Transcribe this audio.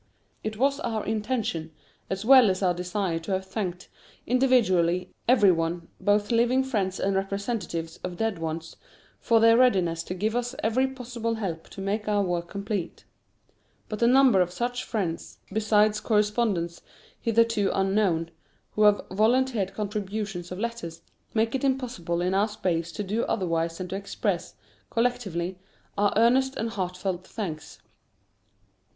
It was our intention as well as our desire to have thanked, individually, every one both living friends and representatives of dead ones for their readiness to give us every possible help to make our work complete. But the number of such friends, besides correspondents hitherto unknown, who have volunteered contributions of letters, make it impossible in our space to do otherwise than to express, collectively, our earnest and heartfelt thanks.